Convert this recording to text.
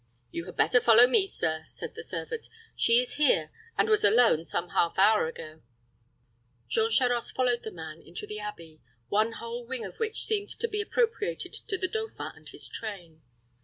"You had better follow me, sir," said the servant. "She is here, and was alone some half hour ago." Jean Charost followed the man into the abbey, one whole wing of which seemed to be appropriated to the dauphin and his train.